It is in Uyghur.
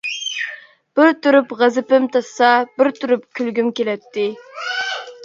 بىر تۇرۇپ غەزىپىم تاشسا، بىر تۇرۇپ كۈلگۈم كېلەتتى.